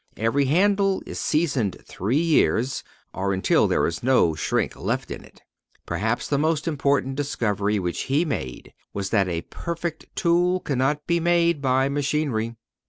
Every handle is seasoned three years, or until there is no shrink left in it. Perhaps the most important discovery which he made was that a perfect tool cannot be made by machinery.